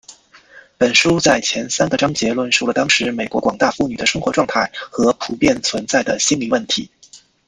本书在前三个章节论述了当时美国广大妇女的生活状态和普遍存在的心理问题。